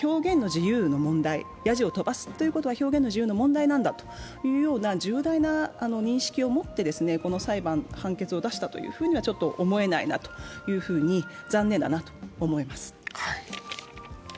ヤジを飛ばすということは表現の自由の問題なんだということを重大な認識を持ってこの判決を出したというふうにはちょっと思えないなというふうに残念だなと思います。